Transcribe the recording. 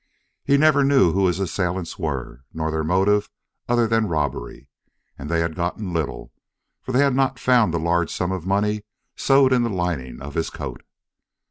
He never knew who his assailants were, nor their motive other than robbery; and they had gotten little, for they had not found the large sum of money sewed in the lining of his coat.